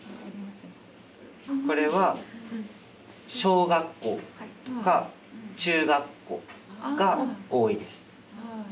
これは小学校とか中学校が多いです。